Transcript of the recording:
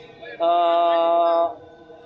kemudahan atau kekhususan yang bisa diberikan